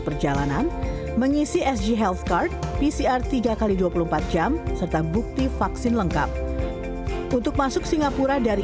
perjalanan mengisi sg healthcard pcr tiga x dua puluh empat jam serta bukti vaksin lengkap untuk masuk singapura dari